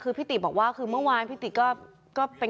คือพี่ติบอกว่าคือเมื่อวานพี่ติก็เป็น